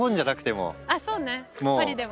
そうねパリでも。